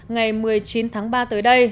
ngày một mươi chín tháng ba tới đây